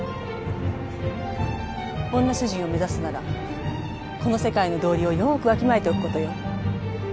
女主人を目指すならこの世界の道理をよくわきまえておくことよ。